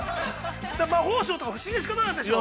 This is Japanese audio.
◆魔法省とか、不思議で仕方がなかったでしょう？